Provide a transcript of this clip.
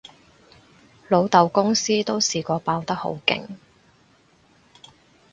老豆公司都試過爆得好勁